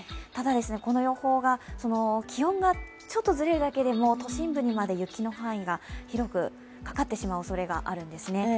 ただこの予報が気温がちょっとずれるだけで、都心部にまで雪の範囲が広くかかってしまうおそれがあるんですね。